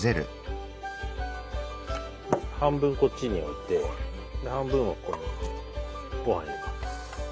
半分こっちに置いて半分はここにごはん入れます。